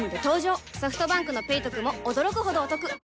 ソフトバンクの「ペイトク」も驚くほどおトク